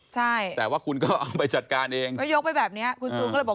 ใช่แต่ว่าคุณก็เอาไปจัดการเองเขายกไปแบบเนี้ยคุณจูนก็เลยบอก